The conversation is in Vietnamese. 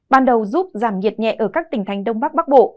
ban đầu giúp giảm nhiệt nhẹ ở các tỉnh thành đông bắc bắc bộ